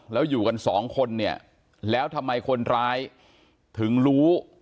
แล้วอยู่กันสองคนเนี่ยแล้วทำไมคนร้ายถึงรู้